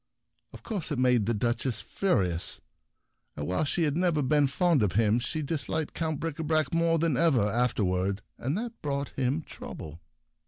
Of course it made the Duchess furious , and while she had never been fond of him, she disliked Count Bricabrac more than ever afterward ; and that brought him trouble.